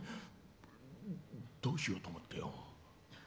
どうしようと思ってよ。